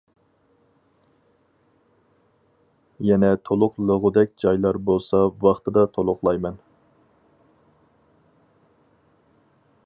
يەنە تولۇقلىغۇدەك جايلار بولسا ۋاقتىدا تولۇقلايمەن!